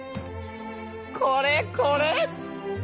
これこれ！